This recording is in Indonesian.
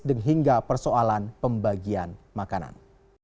dan hingga persoalan pembagian makanan